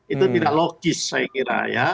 itu tidak logis saya kira ya